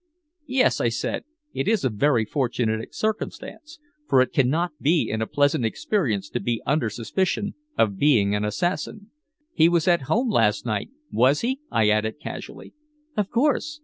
"Yes," I said. "It is a very fortunate circumstance, for it cannot be a pleasant experience to be under suspicion of being an assassin. He was at home last night, was he?" I added casually. "Of course.